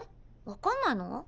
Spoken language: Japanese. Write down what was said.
分かんないの？